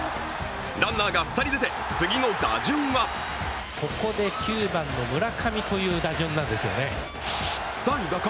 ランナーが２人出て、次の打順は代打か？